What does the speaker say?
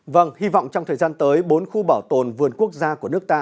vâng hy vọng trong thời gian tới bốn khu bảo tồn vườn quốc gia của nước ta